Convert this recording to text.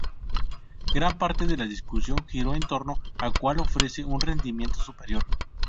Gran parte de la discusión giró en torno a cual ofrece un rendimiento superior.